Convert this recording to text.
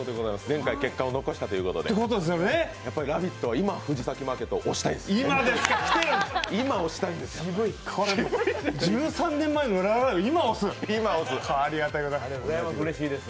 前回、結果を残したということで、「ラヴィット！」は今、藤崎マーケットが来ていることを推したいです。